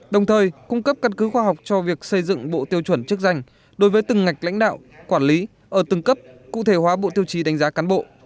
đồng thời cung cấp căn cứ khoa học cho việc xây dựng bộ tiêu chuẩn chức danh đối với từng ngạch lãnh đạo quản lý ở từng cấp cụ thể hóa bộ tiêu chí đánh giá cán bộ